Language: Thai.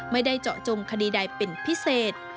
ไม่ได้เจาะจงคดีใดเป็นพิเศษ